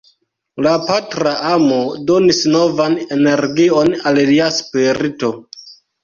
La patra amo donis novan energion al lia spirito.